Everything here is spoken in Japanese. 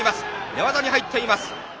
寝技に入っています。